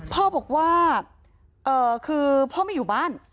พ่อบอกว่าคือพ่อไม่อยู่บ้าน